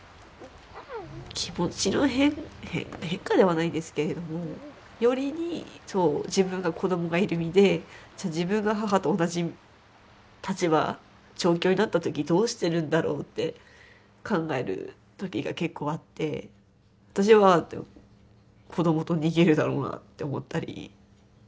気持ちの変変化ではないんですけれどもよりにそう自分が子供がいる身で自分が母と同じ立場状況になった時どうしてるんだろうって考える時が結構あって私は子供と逃げるだろうなって思ったり。